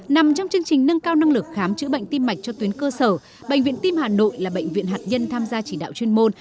nằm trong chương trình nâng cao năng lực khám chữa bệnh tim mạch cho tuyến cơ sở bệnh viện tim hà nội là bệnh viện hạt nhân tham gia chỉ đạo chuyên môn